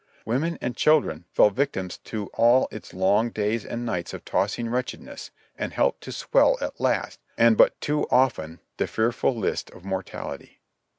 Women and children fell victims to all its long days and nights of tossing wretchedness, and helped to swell at last, and but too often, the fearful list of mortality.